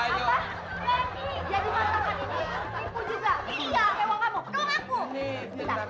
iya ke uang kamu ke uang aku